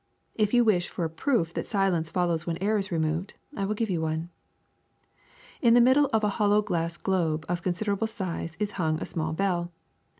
If you wish for a proof that silence follows when air is removed, I will give you one. In the middle of a hollow glass globe of consider able size is hung a small bell.